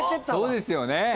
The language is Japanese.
そうですよね。